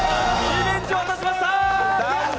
リベンジを果たしました！